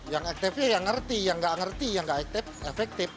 yang aktifnya yang ngerti yang nggak ngerti yang nggak efektif